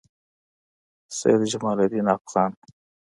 سعید جمالدین افغان